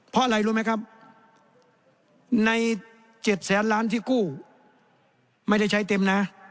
เพราะอะไรรู้ไหมครับใน๗แสนล้านที่กู้ไม่ได้ใช้เต็มนะ